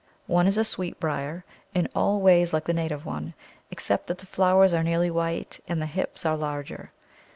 One is a Sweetbriar, in all ways like the native one, except that the flowers are nearly white, and the hips are larger.